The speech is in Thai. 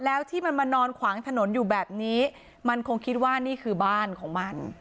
แล้วที่มันมานอนขวางถนนอยู่แบบนี้มันคงคิดว่านี่คือบ้านของมัน